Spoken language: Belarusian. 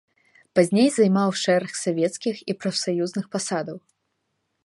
Пазней займаў шэраг савецкіх і прафсаюзных пасадаў.